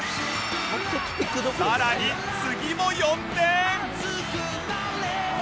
さらに次も４点